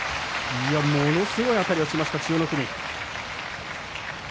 ものすごい、あたりをしました千代の国。